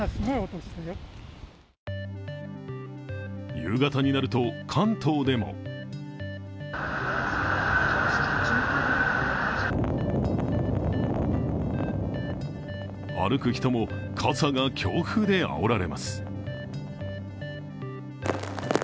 夕方になると、関東でも。歩く人も傘が強風であおられます。